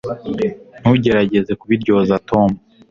Ntugerageze kubiryoza Tom